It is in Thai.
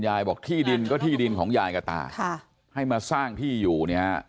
บอกที่ดินก็ที่ดินของยายกับตาค่ะให้มาสร้างที่อยู่เนี่ย